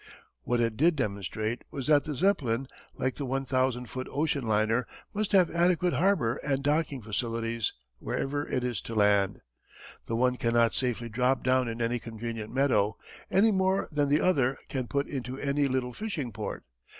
What it did demonstrate was that the Zeppelin, like the one thousand foot ocean liner, must have adequate harbour and docking facilities wherever it is to land. The one cannot safely drop down in any convenient meadow, any more than the other can put into any little fishing port.